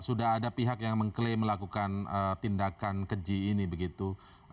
sudah ada pihak yang mengklaim melakukan tindakan keji ini begitu